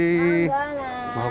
terima kasih sahabat